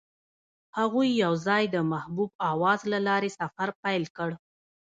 هغوی یوځای د محبوب اواز له لارې سفر پیل کړ.